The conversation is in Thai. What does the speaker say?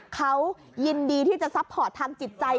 เขายินดีที่จะซัพพอร์ตทางจิตใจ